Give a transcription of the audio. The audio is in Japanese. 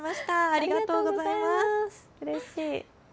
ありがとうございます。